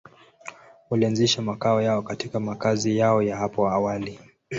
Walianzisha makao yao katika makazi yao ya hapo awali.